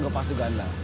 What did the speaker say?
gak pasti ganda